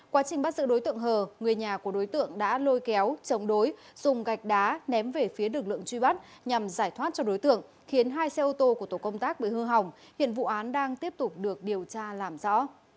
quá trình bắt giữ đối tượng hờ người nhà của đối tượng đã lôi kéo chống đối dùng gạch đá ném về phía lực lượng truy bắt nhằm giải thoát cho đối tượng khiến hai xe ô tô của tổ công tác bị hư hỏng hiện vụ án đang tiếp tục được điều tra làm rõ